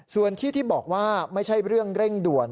ส่วนที่ที่บอกว่าไม่ใช่เรื่องเร่งด่วน